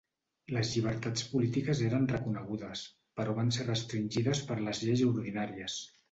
Les llibertats polítiques eren reconegudes, però van ser restringides per les lleis ordinàries.